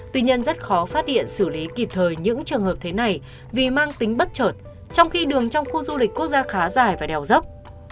tuy nhiên rất khó phát hiện xử lý kịp thời những trường hợp thế này vì mang tính bất trợt trong khi đường trong khu du lịch quốc gia khá dài và đèo dốc